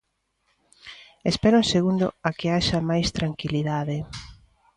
Espere un segundo a que haxa máis tranquilidade.